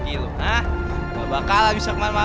gimana nih kak kakak juga nggak tahu